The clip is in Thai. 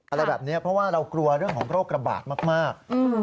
อะไรแบบนี้เพราะว่าเรากลัวเรื่องของโรคระบาดมาก